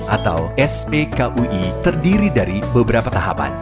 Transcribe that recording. atau spkui terdiri dari beberapa tahapan